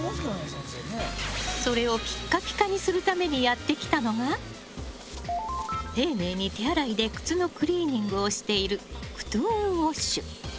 それをピカピカにするためにやってきたのが丁寧に手洗いで靴のクリーニングをしているＫｕｔｏｏｎＷａｓｈ。